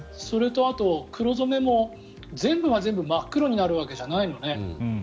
それとあと、黒染めも全部が全部真っ黒になるわけじゃないのね。